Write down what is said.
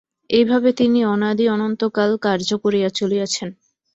এইভাবে তিনি অনাদি অনন্ত কাল কার্য করিয়া চলিয়াছেন।